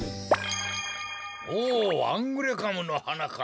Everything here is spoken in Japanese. おおアングレカムのはなか。